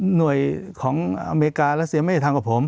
หน่วยของอเมริการัสเซียไม่ได้ทำกับผม